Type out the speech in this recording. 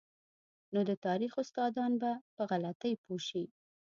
نو د تاریخ استادان به په غلطۍ پوه شي.